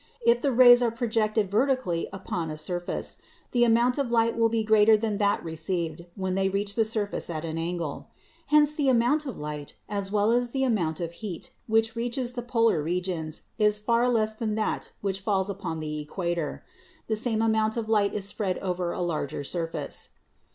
If the rays are projected vertically upon a surface, the amount of light will be greater than that received when they reach the surface at an angle. Hence the amount of light, as well as the amount of heat, which reaches the polar regions is far less than that which falls upon the equator. The same amount of light is spread over a larger surface.